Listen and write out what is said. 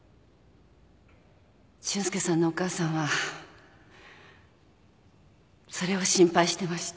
俊介さんのお母さんはそれを心配してました。